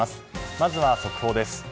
まずは速報です。